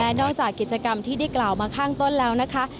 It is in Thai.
นอกจากกิจกรรมที่ได้กล่าวมาข้างต้นแล้วนะคะ